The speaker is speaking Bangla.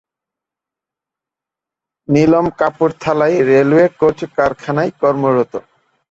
নীলম কাপুর্থালায় রেলওয়ে কোচ কারখানায় কর্মরত।